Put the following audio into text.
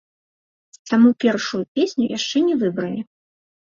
Таму першую песню яшчэ не выбралі.